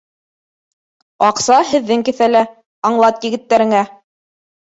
Аҡса һеҙҙең кеҫәлә, аңлат егеттәреңә